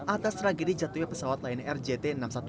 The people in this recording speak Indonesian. atas tragedi jatuhnya pesawat lion air jt enam ratus sepuluh